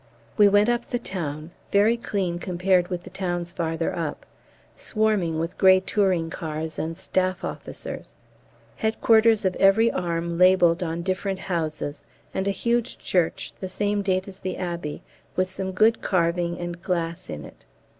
We went up the town very clean compared with the towns farther up swarming with grey touring cars and staff officers. Headquarters of every arm labelled on different houses, and a huge church the same date as the Abbey, with some good carving and glass in it.